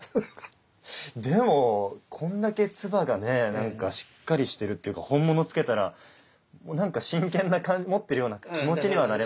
でもこんだけ鐔がねなんかしっかりしてるっていうか本物つけたらなんか真剣持ってるような気持ちにはなれますよね。